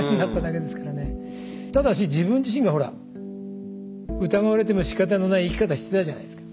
ただし自分自身がほら疑われてもしかたのない生き方してたじゃないですか。